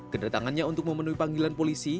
kedatangannya untuk memenuhi panggilan polisi